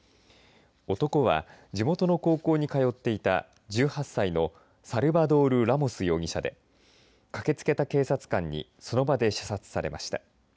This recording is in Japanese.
男は地元の高校に通っていた１８歳のサルバドール・ラモス容疑者で駆けつけた警察官にその場で射殺されました。